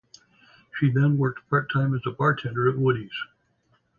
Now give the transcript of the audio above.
She then worked part-time as a bartender at Woody's.